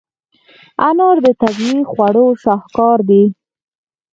انار د طبیعي خواړو شاهکار دی.